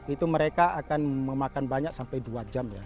itu mereka akan memakan banyak sampai dua jam ya